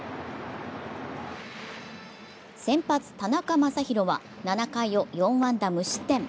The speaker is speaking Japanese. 先発・田中将大は７回を４安打無失点。